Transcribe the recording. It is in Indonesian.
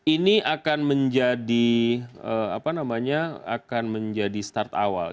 ini akan menjadi apa namanya akan menjadi start awal